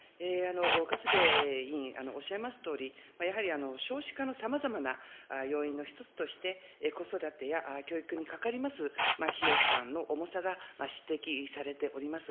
勝部委員おっしゃいますとおり、やはり少子化のさまざまな要因の一つとして、子育てや教育にかかります費用負担の重さが指摘されております。